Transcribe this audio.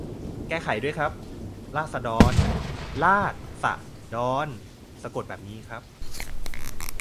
แก้ไขด้วยครับ "ราษฎร" ราด-สะ-ดอน สะกดแบบนี้ครับ